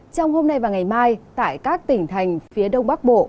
trong hôm nay và ngày mai tại các tỉnh thành phía đông bắc bộ